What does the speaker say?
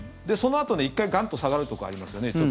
そのあと１回ガンと下がるところありますよね